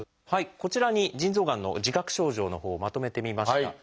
こちらに腎臓がんの自覚症状のほうをまとめてみました。